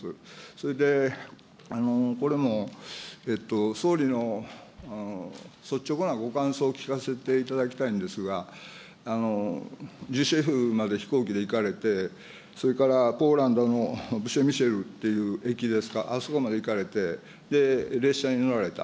それでこれも総理の率直なご感想を聞かせていただきたいんですが、ジェシェフまで飛行機で行かれて、それからポーランドのプシェミシルっていう駅ですか、あそこまで行かれて、列車に乗られた。